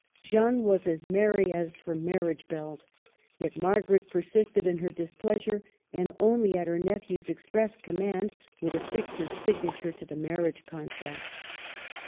Jeanne was as merry as her marriage bells. Yet Mar garet persisted in her displeasure, and only at her nephew's express command would affix her signature to the marriage contract.